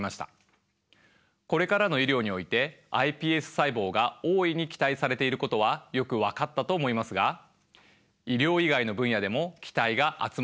これからの医療においてｉＰＳ細胞が大いに期待されていることはよく分かったと思いますが医療以外の分野でも期待が集まっているんです。